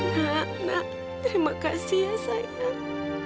nah nah terima kasih ya sayang